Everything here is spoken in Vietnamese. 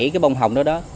bảy cái bông hồng đó